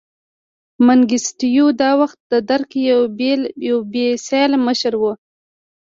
منګیسټیو دا وخت د درګ یو بې سیاله مشر و.